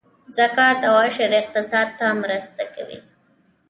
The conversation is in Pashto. زکات او عشر اقتصاد ته مرسته کوي